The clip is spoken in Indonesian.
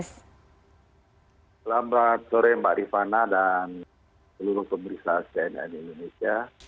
selamat sore mbak rifana dan seluruh pemerintah sehat sehat di indonesia